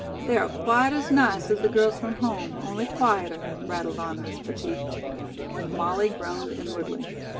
They are quite as nice as the girls from home, only quieter," rattled on Miss Petit. Molly groaned inwardly.